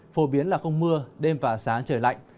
phổ biến là không mưa đêm và sáng trời lạnh